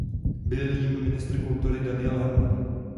Byl jím ministr kultury Daniel Herman.